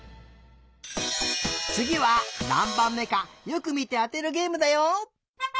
つぎはなんばんめかよくみてあてるゲームだよ！